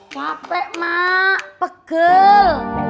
comel wah pegumi